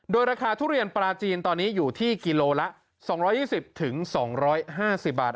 โดยราคาทุเรียนปลาจีนตอนนี้อยู่ที่กิโลละ๒๒๐๒๕๐บาท